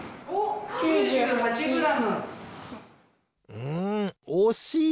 うんおしい！